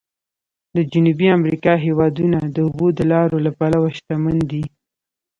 د جنوبي امریکا هېوادونه د اوبو د لارو له پلوه شمن دي.